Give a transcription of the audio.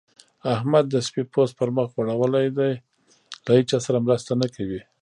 احمد د سپي پوست پر مخ غوړول دی؛ له هيچا سره مرسته نه کوي.